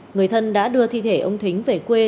người thân đã đưa thi thể ông thính về quê